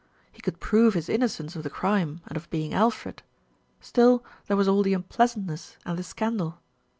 He could prove his innocence of the crime and of being Alfred; still there was all the unpleasantness and the scandal.